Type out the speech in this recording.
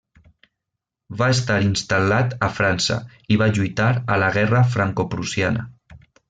Va estar instal·lat a França, i va lluitar a la Guerra Francoprussiana.